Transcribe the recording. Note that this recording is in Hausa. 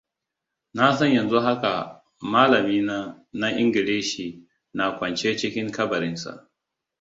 Na san yanzu haka malamina na Ingilishi na kwance cikin kabarinsa.